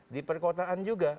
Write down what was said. di perkotaan juga